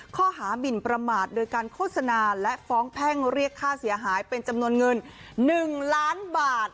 หมินประมาทโดยการโฆษณาและฟ้องแพ่งเรียกค่าเสียหายเป็นจำนวนเงิน๑ล้านบาท